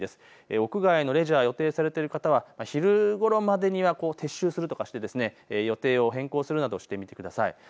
屋外のレジャー、予定されている方は昼ごろまでには撤収するとかして予定を変更するなどしてみてください。